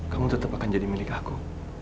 kamu tetap akan jadi milik aku